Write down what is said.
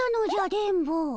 電ボ。